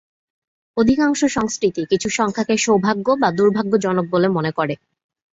অধিকাংশ সংস্কৃতি কিছু সংখ্যাকে সৌভাগ্য বা দুর্ভাগ্যজনক বলে মনে করে।